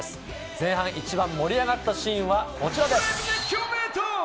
前半一番盛り上がったシーンはこちらです。